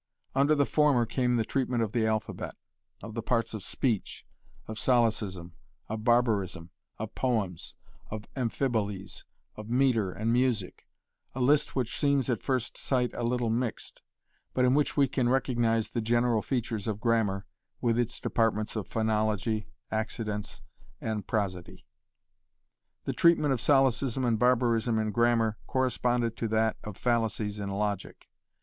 Under the former came the treatment of the alphabet, of the parts of speech, of solecism, of barbarism, of poems, of amphibolies, of metre and music a list which seems at first sight a little mixed, but in which we can recognise the general features of grammar, with its departments of phonology, accidence, and prosody. The treatment of solecism and barbarism in grammar corresponded to that of fallacies in logic.